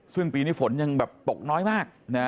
ซึ่งปีนี้ฝนยังแบบตกน้อยมาก